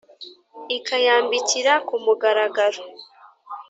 ikayambikira ku mugaragaro